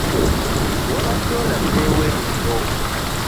Wabadde olaze wa ekiro?